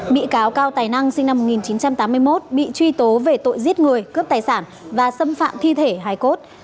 bị cáo cao tài năng sinh năm một nghìn chín trăm tám mươi một bị truy tố về tội giết người cướp tài sản và xâm phạm thi thể hải cốt